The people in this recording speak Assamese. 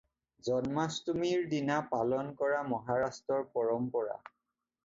জনাষ্টমিৰ দিনা পালন কৰা মহাৰাষ্ট্ৰৰ পৰম্পৰা।